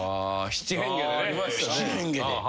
「七変化」で。